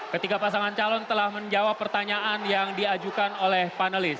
ketiga pasangan calon telah menjawab pertanyaan yang diajukan oleh panelis